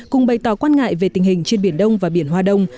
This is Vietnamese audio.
cùng bày tỏ quan ngại về tình hình trên biển đông và biển hoa đông